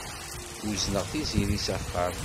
Uzneɣ Tiziri s axxam.